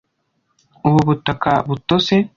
Ubu butaka butose.